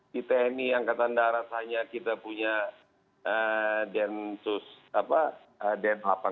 di tni angkatan darat hanya kita punya densus apa d delapan puluh satu